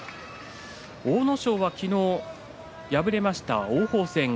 阿武咲は昨日敗れました。